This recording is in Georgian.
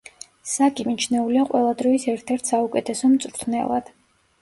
საკი მიჩნეულია ყველა დროის ერთ-ერთ საუკეთესო მწვრთნელად.